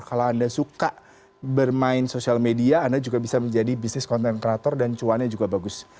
kalau anda suka bermain sosial media anda juga bisa menjadi bisnis konten kreator dan cuannya juga bagus